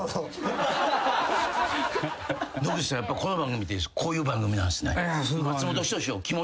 野口さんやっぱこの番組ってこういう番組なんすね。